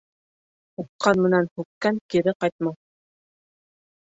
Һуҡҡан менән һүккән кире ҡайтмаҫ.